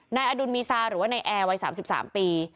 นายอดุลมีซาหรือว่านายแอร์วัย๓๓ปี